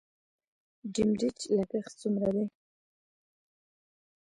د ډیمریج لګښت څومره دی؟